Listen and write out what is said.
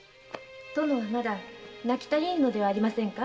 〔殿はまだ泣き足りぬのではありませんか？